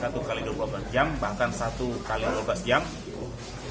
tersangka mencoba menangkap pelakunya